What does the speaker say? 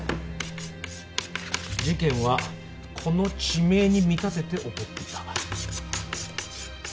事件はこの地名に見立てて起こっていた。